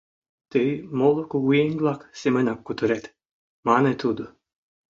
— Тый моло кугыеҥ-влак семынак кутырет! — мане тудо.